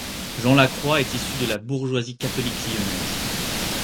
Jean Lacroix est issu de la bourgeoisie catholique lyonnaise.